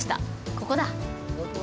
ここだ。